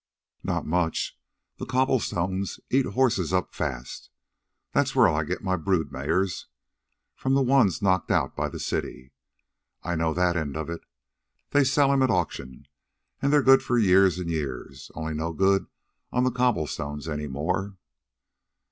"Not much. The cobblestones eat horses up fast. That's where I'll get my brood mares, from the ones knocked out by the city. I know THAT end of it. They sell 'em at auction, an' they're good for years an' years, only no good on the cobbles any more."